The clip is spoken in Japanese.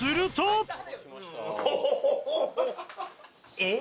えっ？